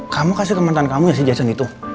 kamu kasih teman teman kamu yang si jason itu